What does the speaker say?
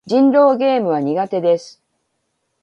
人狼ゲームは苦手です。